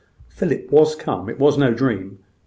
Philip was come it was no dream.